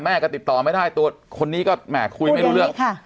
แม่ก็ติดต่อไม่ได้ตัวคนนี้ก็แห่คุยไม่รู้เรื่อง